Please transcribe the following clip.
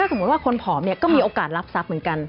สมมุติว่าคนผอมเนี่ยก็มีโอกาสรับทรัพย์เหมือนกัน